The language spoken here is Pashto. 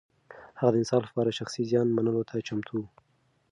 هغه د انصاف لپاره شخصي زيان منلو ته چمتو و.